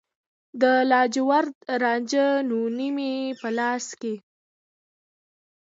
د لاجوردو رنجه نوني مې په لاس کې